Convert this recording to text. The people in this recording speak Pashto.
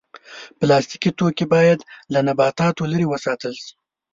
پلاستيکي توکي باید له نباتاتو لرې وساتل شي.